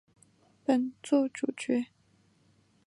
本作主角。